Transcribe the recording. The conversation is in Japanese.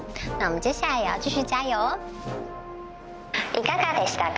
いかがでしたか？